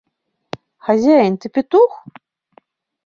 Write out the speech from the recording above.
— Хозяин, ты петух?